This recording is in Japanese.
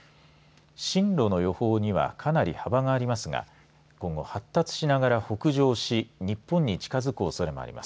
進路の予報にはかなり幅がありますが今後、発達しながら北上し日本に近づくおそれもあります。